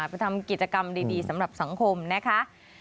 ไปทำกิจกรรมดีสำหรับสังคมนะคะ